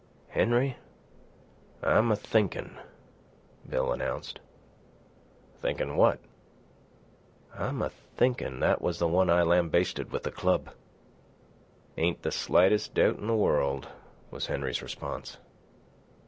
"Henry, I'm a thinkin'," Bill announced. "Thinkin' what?" "I'm a thinkin' that was the one I lambasted with the club." "Ain't the slightest doubt in the world," was Henry's response.